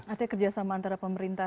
artinya kerjasama antara pemerintah